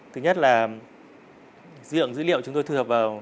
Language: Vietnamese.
thứ nhất là dữ liệu chúng tôi thư hợp vào